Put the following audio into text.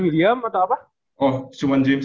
william atau apa oh cuman james